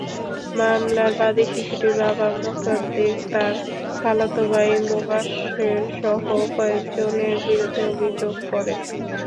মামলার বাদী শিশুটির বাবা মোছাদ্দেক তাঁর খালাতো ভাই মোবাশ্বেরসহ কয়েকজনের বিরুদ্ধে অভিযোগ করেন।